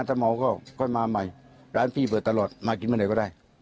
ตำหรอก็มาใหม่ร้านพี่เปิดตลอดมากินไปเราได้